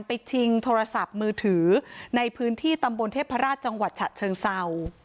ชิงโทรศัพท์มือถือในพื้นที่ตำบลเทพราชจังหวัดฉะเชิงเศร้า